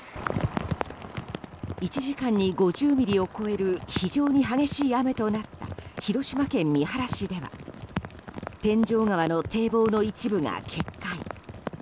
１時間に５０ミリを超える非常に激しい雨となった広島県三原市では天井川の堤防の一部が決壊。